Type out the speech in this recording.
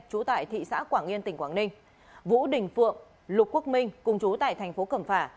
trú tại thị xã quảng yên tỉnh quảng ninh vũ đình phượng lục quốc minh cùng chú tại thành phố cẩm phả